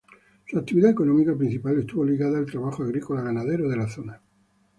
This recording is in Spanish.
Su actividad económica principal estuvo ligada al trabajo agrícola-ganadero de la zona.